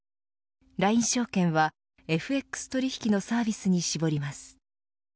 ＬＩＮＥ証券はＦＸ取引のサービスに絞ります。